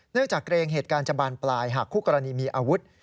จากเกรงเหตุการณ์จะบานปลายหากคู่กรณีมีอาวุธ